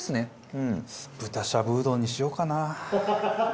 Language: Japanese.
豚しゃぶうどんにしようかな。